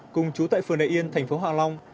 cùng chú tại phường đại yên tp hạ long